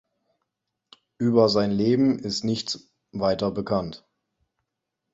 Über sein Leben ist nichts weiter bekannt.